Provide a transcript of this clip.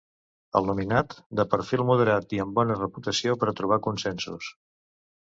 El nominat: de perfil moderat i amb bona reputació per a trobar consensos.